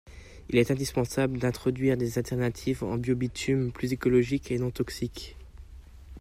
Il est indispensable d'introduire des alternatives en bio-bitumes plus écologiques et non toxiques.